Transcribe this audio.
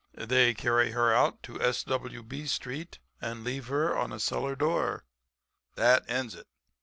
They carry her out to S.W. B. street and leave her on a cellar door. That ends it.